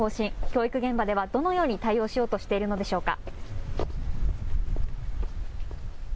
教育現場ではどのように対応しようとしているのでしょうか。